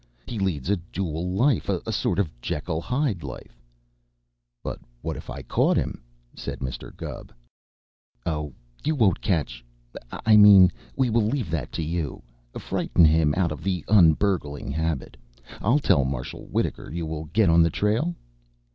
He leads a dual life, a sort of Jekyll Hyde life " "But what if I caught him?" said Mr. Gubb. "Oh, you won't catch I mean, we will leave that to you. Frighten him out of the un burgling habit. I'll tell Marshal Wittaker you will get on the trail?"